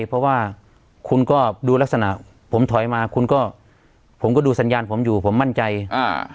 เพราะว่าคุณก็ดูลักษณะผมถอยมาคุณก็ผมก็ดูสัญญาณผมอยู่ผมมั่นใจอ่า